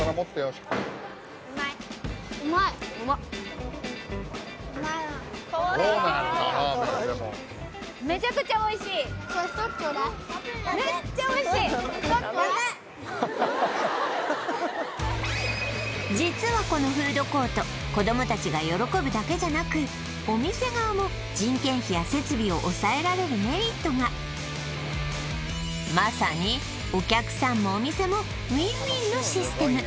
しっかりめっちゃおいしい実はこのフードコート子どもたちが喜ぶだけじゃなくお店側も人件費や設備を抑えられるメリットがまさにお客さんもお店もウインウインのシステム